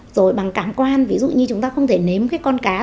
rồi bằng cảm quan ví dụ như chúng ta không thể nếm cái con cá dù là hấp